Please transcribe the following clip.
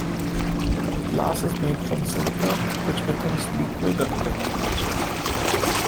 The glass is made from silica, which becomes liquid at high temperatures.